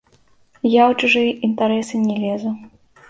Я ў чужыя інтарэсы не лезу.